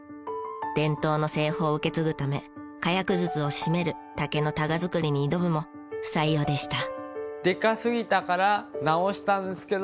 伝統の製法を受け継ぐため火薬筒を締める竹のタガ作りに挑むも不採用でした。